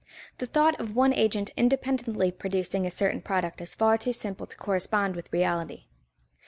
_ The thought of one agent independently producing a certain product is far too simple to correspond with reality.